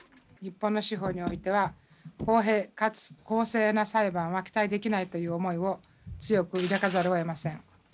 日本の司法においては公平かつ公正な裁判は期待できないという思いを強く抱かざるをえません。